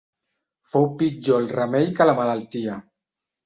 Fou pitjor el remei que la malaltia.